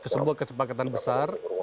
sebuah kesepakatan besar